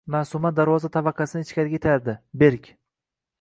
Maʼsuma darvoza tavaqasini ichkariga itardi. Berk.